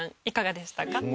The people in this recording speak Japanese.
いかがでしたか？